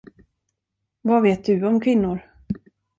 Vad vet du om kvinnor?